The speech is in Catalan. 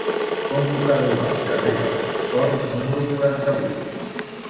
Com puc arribar al carrer dels Esports número quaranta-vuit?